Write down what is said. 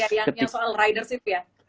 yang soal riders itu ya